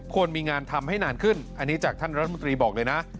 ควรมีงานทำให้นานขึ้นอันนี้จากท่านรัฐมนตรีบอกเลยนะ